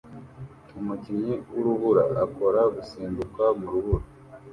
Umukinyi wurubura akora gusimbuka mu rubura